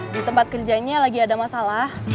di tempat kerjanya lagi ada masalah